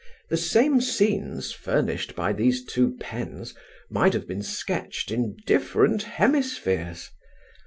The same scenes furnished by these two pens might have been sketched in different hemispheres.